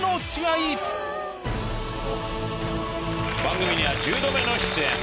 番組には１０度目の出演。